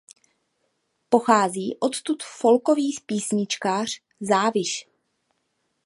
Pochází odtud folkový písničkář Záviš.